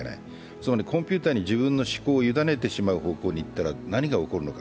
つまりコンピュータに自分の思考を委ねる方向にいくと何が起こるのか。